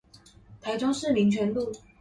台中市民權路